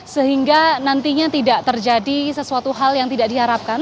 sehingga nantinya tidak terjadi sesuatu hal yang tidak diharapkan